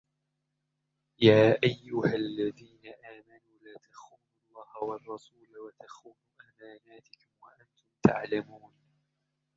يَا أَيُّهَا الَّذِينَ آمَنُوا لَا تَخُونُوا اللَّهَ وَالرَّسُولَ وَتَخُونُوا أَمَانَاتِكُمْ وَأَنْتُمْ تَعْلَمُونَ